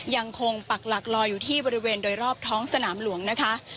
ปักหลักรออยู่ที่บริเวณโดยรอบท้องสนามหลวงนะคะ